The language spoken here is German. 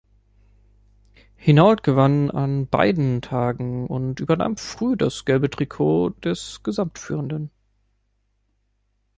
Hinault gewann an beiden Tagen und übernahm früh das Gelbe Trikot des Gesamtführenden.